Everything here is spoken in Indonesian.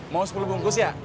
mau sepuluh bungkus ya